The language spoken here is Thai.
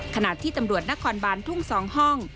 ขณะที่ตำรวจนครบานทุ่ง๒ห้อง